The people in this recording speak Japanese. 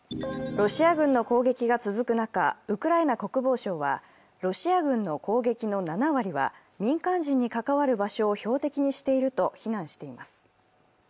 ロシア軍の攻撃が続く中、ウクライナ国防省はロシア軍の攻撃の７割は民間人に関わる場所を標的にしていると非難しています。